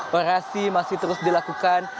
perasi masih terus dilakukan